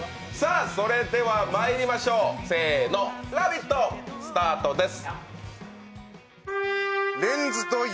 それではまいりましょう、せーの「ラヴィット！」スタートです。